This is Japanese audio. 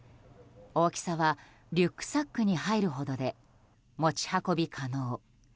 大きさはリュックサックに入るほどで持ち運び可能。